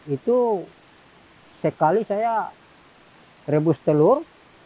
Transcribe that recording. itu sekali saya rebus telur